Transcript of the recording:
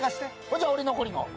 じゃあ俺残りの。